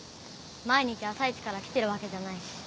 毎日朝いちから来てるわけじゃないし。